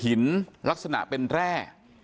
ลักษณะเป็นแร่